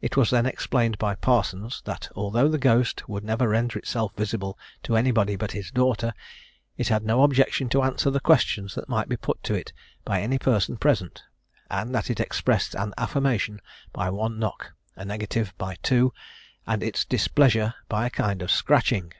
It was then explained by Parsons, that although the ghost would never render itself visible to anybody but his daughter, it had no objection to answer the questions that might be put to it by any person present, and that it expressed an affirmation by one knock, a negative by two, and its displeasure by a kind of scratching.